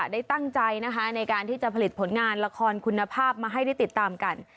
ได้ตั้งใจนะคะในการที่จะผลิตผลงานละครคุณภาพมาให้ได้ติดตามกัน